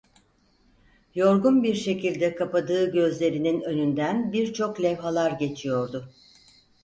Yorgun bir şekilde kapadığı gözlerinin önünden birçok levhalar geçiyordu.